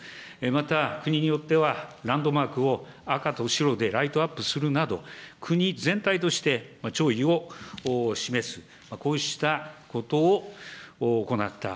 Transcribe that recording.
また、国によっては、ランドマークを赤と白でライトアップするなど、国全体として、弔意を示す、こうしたことを行った。